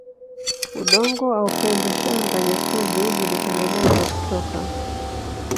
udongo au pembe Shanga nyekundu zilitengenezwa kutoka